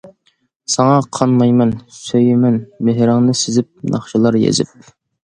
ساڭا قانمايمەن، سۆيىمەن، مېھرىڭنى سېزىپ، ناخشىلار يېزىپ.